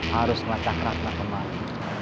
harus melacak ratna kembali